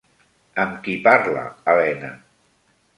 Amb qui parla Helena?